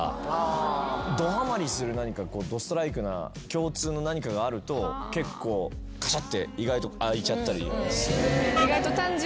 どハマりする何かドストライクな共通の何かがあると結構カシャって意外と開いちゃったり。